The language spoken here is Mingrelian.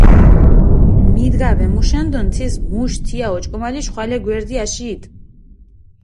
მიდგა ვემუშენდუნ, თის მუშ თია ოჭკომალიშ ხვალე გვერდი აშიიდჷ.